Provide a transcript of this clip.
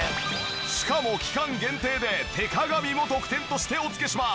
しかも期間限定で手鏡も特典としてお付けします。